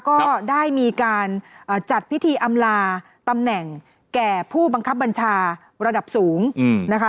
ก็ได้มีการจัดพิธีอำลาตำแหน่งแก่ผู้บังคับบัญชาระดับสูงนะคะ